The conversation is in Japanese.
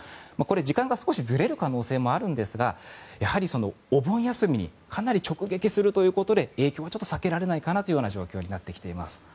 時間が少しずれる可能性もあるんですがやはりお盆休みにかなり直撃するということで影響は避けられないかなという状況になってきています。